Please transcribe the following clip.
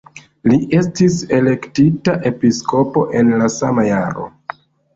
Li estis elektita episkopo en la sama jaro.